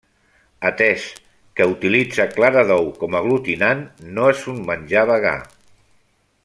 Atès que utilitza clara d'ou com a aglutinant, no és un menjar vegà.